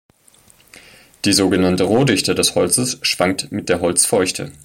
Die sogenannte Rohdichte des Holzes schwankt mit der Holzfeuchte.